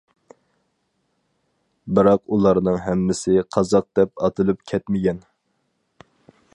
بىراق ئۇلارنىڭ ھەممىسى قازاق دەپ ئاتىلىپ كەتمىگەن.